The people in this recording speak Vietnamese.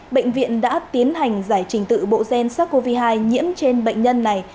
bệnh viện đã tiến hành giải trình tự bộ gen sars cov hai nhiễm trên bệnh nhân này